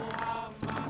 salam allah allah wasalam